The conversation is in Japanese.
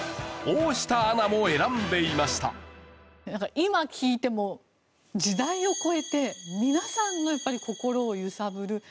今聞いても時代を越えて皆さんのやっぱり心を揺さぶる。